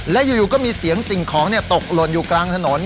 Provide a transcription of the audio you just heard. และอยู่ก็มีเสียงสิ่งของตกหล่นอยู่กลางถนน